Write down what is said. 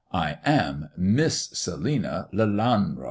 I am Miss Selina Lelanro."